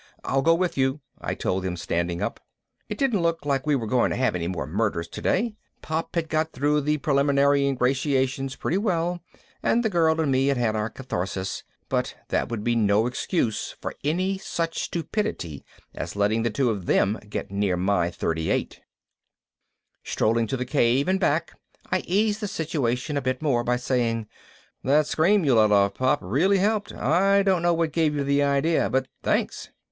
"I'll go with you," I told them, standing up. It didn't look like we were going to have any more murders today Pop had got through the preliminary ingratiations pretty well and the girl and me had had our catharsis but that would be no excuse for any such stupidity as letting the two of them get near my .38. Strolling to the cave and back I eased the situation a bit more by saying, "That scream you let off, Pop, really helped. I don't know what gave you the idea, but thanks."